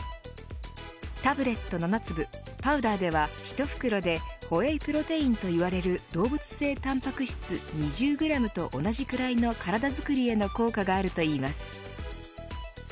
タブレット７粒、パウダーでは１袋でホエイプロテインといわれる動物性タンパク質２０グラムと同じくらいの体づくりへの効果があるといわれています。